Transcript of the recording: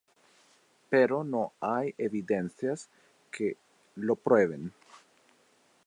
Pero no hay evidencias que lo prueben.